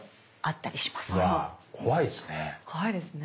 わぁ怖いですね。